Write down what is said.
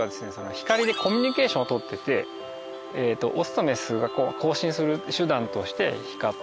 光でコミュニケーションを取っててオスとメスが交信する手段として光っていると。